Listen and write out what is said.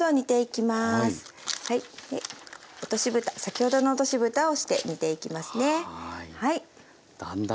落としぶた先ほどの落としぶたをして煮ていきますね。